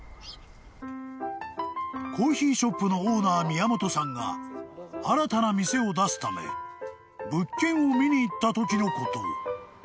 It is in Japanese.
［コーヒーショップのオーナー宮本さんが新たな店を出すため物件を見に行ったときのこと］